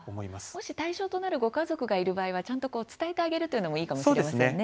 もし対象となるご家族がいる場合はちゃんと伝えてあげるというのもいいかもしれませんね。